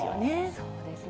そうですね。